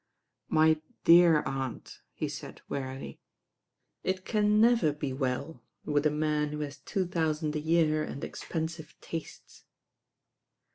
"My dear aunt," he said wearily; "it can never be well with a man who has two thousand a year and expensive tastes."